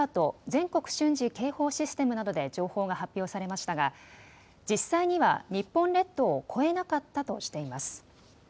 ・全国瞬時警報システムなどで情報が発表されましたが、実際には日本列島を越えなかったとしています。